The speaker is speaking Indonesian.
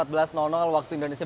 akan disteriliskan atau dikosongkan